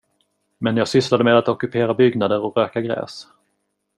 Men jag sysslade med att ockupera byggnader och röka gräs